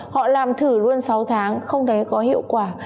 họ làm thử luôn sáu tháng không thấy có hiệu quả